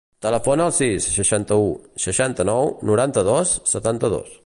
Telefona al sis, seixanta-u, seixanta-nou, noranta-dos, setanta-dos.